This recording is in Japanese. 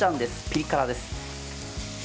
ピリ辛です。